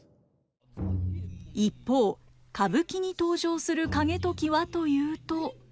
一方歌舞伎に登場する景時はというと。